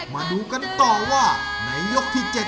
มาดูกันต่อว่าในยกที่๗